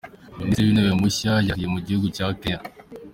Minisitire w’Intebe Mushya yarahiye Mugihugu cya Kenya